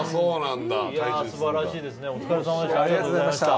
すばらしいですね、お疲れさまでした。